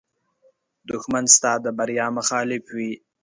دښمن ستا د بریا مخالف وي